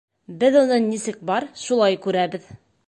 Беҙ уны нисек бар, шулай күрәбеҙ!